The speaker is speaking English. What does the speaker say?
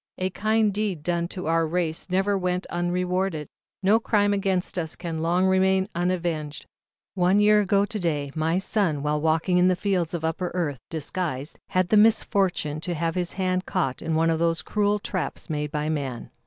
A kind deed done to our race never yet went unrewarded. No crime against us can long remain unavenged. One year ago to day, my son, while walking in the fields of Upper Earth, disguised, had the misfortune to have his hand caught in one of those cruel traps made by man.